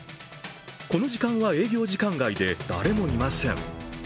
この時間は営業時間外で誰もいません。